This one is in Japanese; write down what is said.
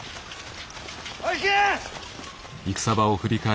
おい引け！